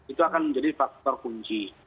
itu akan menjadi faktor kunci